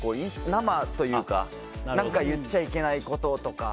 生というか何か言っちゃいけないこととか。